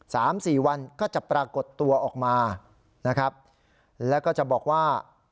สามสี่วันก็จะปรากฏตัวออกมานะครับแล้วก็จะบอกว่า